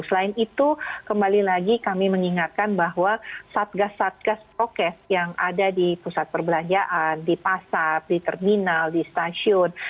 selain itu kembali lagi kami mengingatkan bahwa satgas satgas prokes yang ada di pusat perbelanjaan di pasar di terminal di stasiun